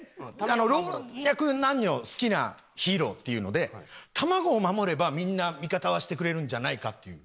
老若男女好きなヒーローっていうので卵を守ればみんな味方はしてくれるんじゃないかっていう。